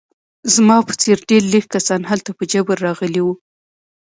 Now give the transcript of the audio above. زما په څېر ډېر لږ کسان هلته په جبر راغلي وو